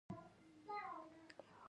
د غلو بارونیانو د انحصار قرباني شوي وو.